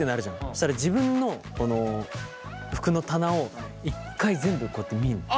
そしたら自分の服の棚を１回全部こうやって見るんだよ。